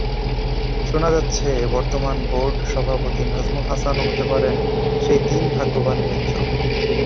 শোনা যাচ্ছে, বর্তমান বোর্ড সভাপতি নাজমুল হাসানও হতে পারেন সেই তিন ভাগ্যবানের একজন।